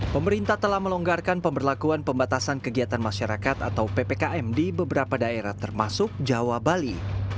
pemerintah telah melonggarkan pemberlakuan pembatasan kegiatan masyarakat atau ppkm di beberapa daerah termasuk jawa bali